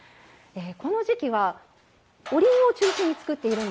この時期はおりんを中心に作っているんですね。